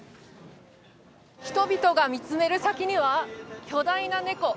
人々が見つめる先には、巨大なネコ。